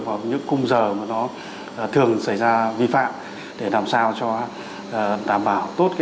và những khung giờ mà nó thường xảy ra vi phạm để làm sao cho đảm bảo tốt